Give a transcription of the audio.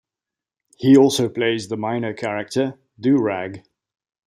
He also plays the minor character Doo Rag.